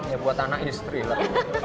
ya buat anak istri lah